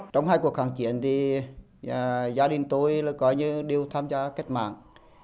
trong hai cuộc kháng chiến thì gia đình tôi là coi như đều tham gia kết mạng